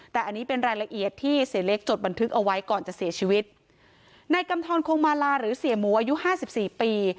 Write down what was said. แต่อันนี้เป็นรายละเอียดที่เสียเล็กจดบันทึกเอาไว้ก่อนจะเสียชีวิตนายกำทรคงมาลาหรือเสียหมูอายุห้าสิบสี่ปี